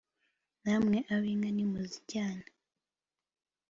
namwe ab'inka nimuzijyane